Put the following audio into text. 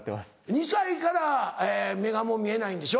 ２歳から目がもう見えないんでしょ？